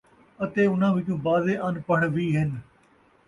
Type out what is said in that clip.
اَتے اُنھاں وِچوں بعضے اَن پڑھ وِی ہِن،